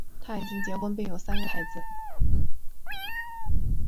他已经结婚并有三个孩子。